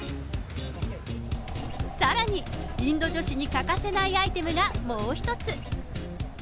さらに、インド女子に欠かせないアイテムがもう一つ。